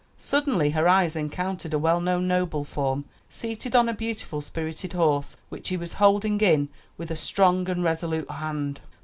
Suddenly her eyes encountered a well known noble form, seated on a beautiful spirited horse, which he was holding in with a strong and resolute hand.